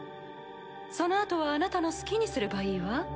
そのあとはあなたの好きにすればいいわ。